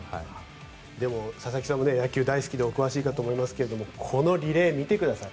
でも佐々木さんも野球が大好きでお詳しいと思いますがこのリレーを見てください。